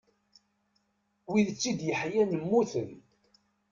Wid tt-id-yeḥyan mmuten.